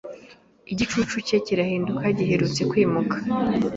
Igicucu cye kirahinduka giherutse kwimuka